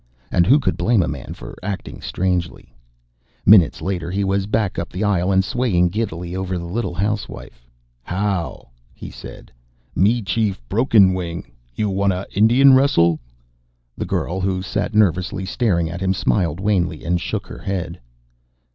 And who could blame a man for acting strangely? Minutes later, he was back up the aisle and swaying giddily over the little housewife. "How!" he said. "Me Chief Broken Wing. You wanta Indian wrestle?" The girl, who sat nervously staring at him, smiled wanly, and shook her head.